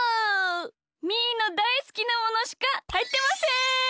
みーのだいすきなものしかはいってません！